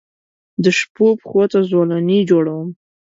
دشپووپښوته زولنې جوړوم